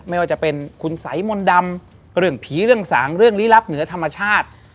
ไม่ว่าจะเป็นคุณสัยมนต์ดำเรื่องผีเรื่องสางเรื่องลี้ลับเหนือธรรมชาติ